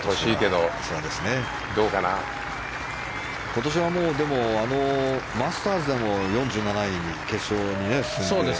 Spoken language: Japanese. でも、今年はマスターズでも、４７位で決勝に進んで。